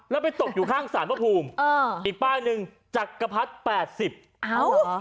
แล้วไปตกอยู่ข้างศาลพระภูมิอีกป้ายหนึ่งจักรพรรดิ๘๐บาท